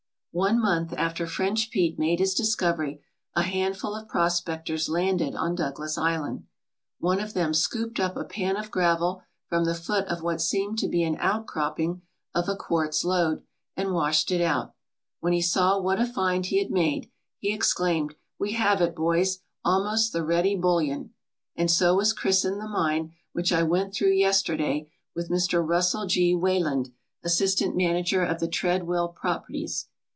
One month after French Pete made his discovery a handful of prospectors landed on Douglas Island. One of them scooped up a pan of gravel from the foot of what seemed to be an outcropping of a quartz lode and washed it out. When he saw what a find he had made, he ex claimed, "We have it, boys, almost the ready bullion!" And so was christened the mine which I went through yesterday with Mr. Russell G. Wayland, assistant man ager of the Treadwell properties.